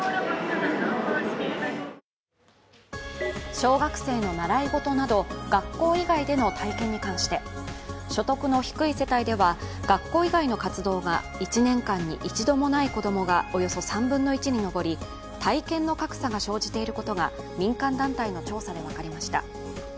小学生の習い事など学校以外での経験に関して所得の低い世帯では学校以外の活動が１年間に１度もない子供がおよそ３分の１に上り体験の格差が生じていることが民間団体の調査で分かりました。